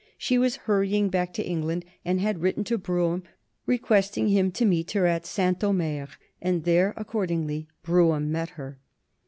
She was hurrying back to England, and had written to Brougham requesting him to meet her at Saint Omer, and there accordingly Brougham met her.